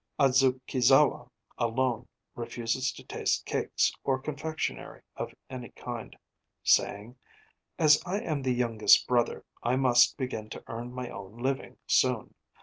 Adzukizawa alone refuses to taste cakes or confectionery of any kind, saying: 'As I am the youngest brother, I must begin to earn my own living soon.